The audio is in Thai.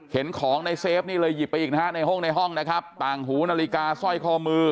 เห็นของในเซฟนี่เลยหยิบไปอีกนะฮะในห้องในห้องนะครับต่างหูนาฬิกาสร้อยข้อมือ